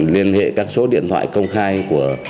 liên hệ các số điện thoại công khai của